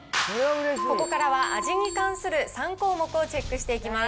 ここからは味に関する３項目をチェックしていきます。